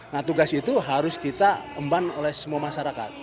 nah tugas itu harus kita emban oleh semua masyarakat